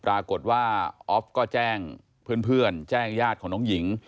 ปรากฏว่าออฟก็แจ้งเพื่อนแจ้งญาติของน้องหญิง